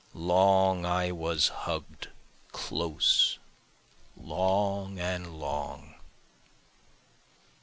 Long I was hugg'd close long and long.